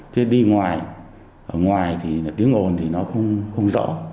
thế đi ngoài ở ngoài thì tiếng ồn thì nó không rõ